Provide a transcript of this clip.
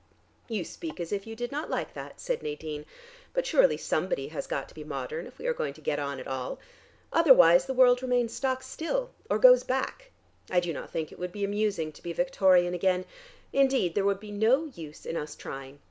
"You speak as if you did not like that," said Nadine; "but surely somebody has got to be modern if we are going to get on at all. Otherwise the world remains stock still, or goes back. I do not think it would be amusing to be Victorian again; indeed there would be no use in us trying.